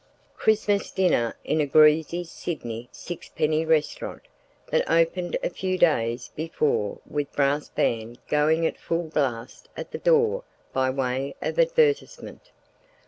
— Christmas dinner in a greasy Sydney sixpenny restaurant, that opened a few days before with brass band going at full blast at the door by way of advertisement.